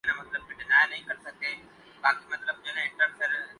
لیکن وہ مسلمان ہی کیا جس کے کام پلان کے مطابق ہوسک